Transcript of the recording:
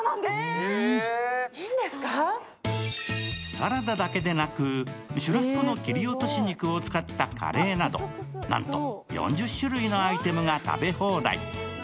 サラダだけでなく、シュラスコの切り落とし肉を使ったカレーなどなんと４０種類のアイテムが食べ放題。